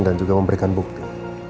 dan juga memberikan bukti